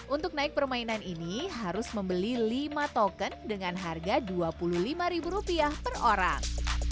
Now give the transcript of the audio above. untuk naik permainan ini harus membeli lima token dengan harga dua puluh lima per orang